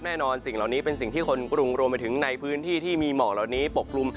สิ่งเหล่านี้เป็นสิ่งที่คนกรุงรวมไปถึงในพื้นที่ที่มีหมอกเหล่านี้ปกกลุ่ม